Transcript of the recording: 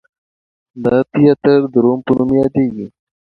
دا تیاتر د روم په نوم یادیږي.